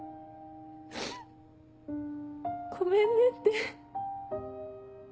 「ごめんね」って。